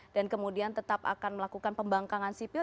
dan kemudian tetap akan melakukan pembangkangan sipil